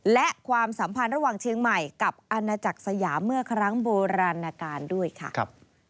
และความสัมพันธ์ระหว่างเชียงใหม่กับอาณาจักรสยามเมื่อครั้งโบราณการด้วยค่ะ